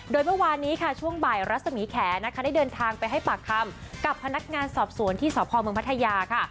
โดยเมื่อวานนี้ค่ะช่วงบ่ายรัศมีแขนะคะได้เดินทางไปให้ปากคำกับพนักงานสอบสวนที่สพเมืองพัทยาค่ะ